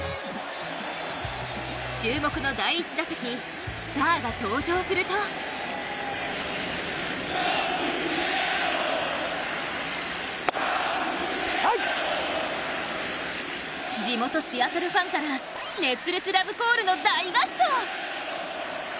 注目の第１打席、スターが登場すると地元シアトルファンから熱烈ラブコールの大合唱。